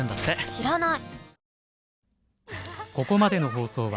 知らない！